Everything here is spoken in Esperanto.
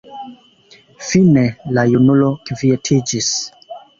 Fine la junulo kvietiĝis.